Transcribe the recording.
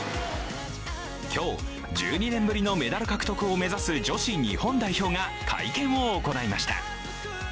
今日、１２年ぶりのメダル獲得を目指す女子日本代表が会見を行いました。